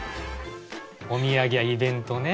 お土産やイベントね。